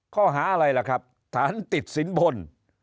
ข้อหาอะไรล่ะครับฐานติดสินบน